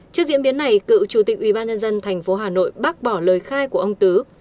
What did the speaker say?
trước diễn biến này cựu chủ tịch ubnd tp hà nội bác bỏ lời khai của ông tứ